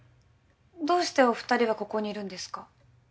どうしてお二人はここにいるんですか？